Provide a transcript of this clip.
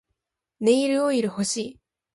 ネイルオイル欲しい